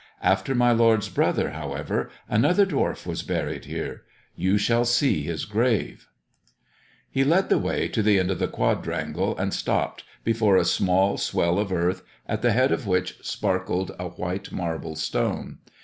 After my lord's brother, however, another dwarf was buried here. You shall see his grave." 110 THE dwarf's chamber He led the way to the end of the quadrangle and stopped before a small swell of earth, at the head of which sparkled a white marble stone.